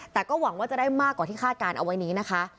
แต่ก็หวังว่าจะได้มากกว่าที่คาดการณ์เอาไว้นี้นะคะ